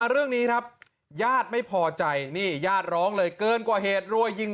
เรื่องนี้ครับญาติไม่พอใจนี่ญาติร้องเลยเกินกว่าเหตุรัวยิง